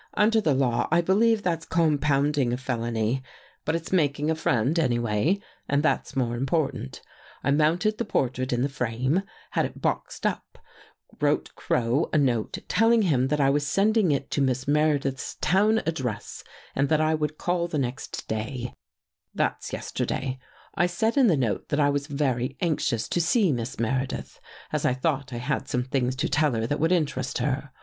Under the law, I believe that's compounding a fel ony. But it's making a friend, anyway, and that's more important. I mounted the portrait in the frame, had it boxed up, wrote Crow a note telling him that I was sending it to Miss Meredith's town address and that I would call the next day — that's 152 THROUGH THE GRILLE yesterday. I said in the note that I was very anx ious to see Miss Meredith, as I thought I had some things to tell her that would interest her.